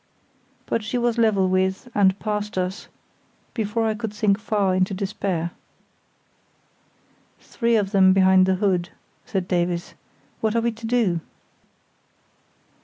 But she was level with and past us before I could sink far into despair. "Three of them behind the hood," said Davies: "what are we to do?"